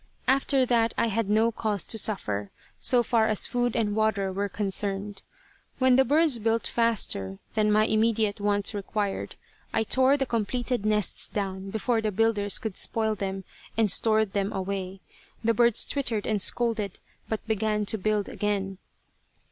After that I had no cause to suffer, so far as food and water were concerned. When the birds built faster than my immediate wants required, I tore the completed nests down before the builders could spoil them, and stored them away. The birds twittered and scolded, but began to build again.